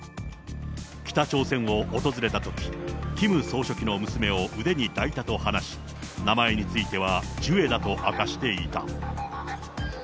北朝鮮を訪れたとき、キム総書記の娘を腕に抱いたと話し、名前についてはジュエだと明かしていた。